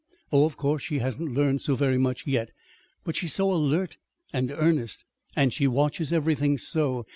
Oh, of course, she hasn't learned so very much yet. But she's so alert and earnest, and she watches everything so!